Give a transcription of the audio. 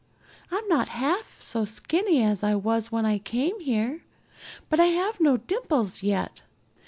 I'm not half so skinny as I was when I came here, but I have no dimples yet.